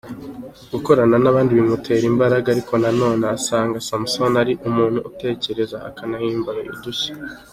Gukorana n’abandi bimutera imbaraga ariko nanone usanga Samson ari umuntu utekereza akanahimba udushya.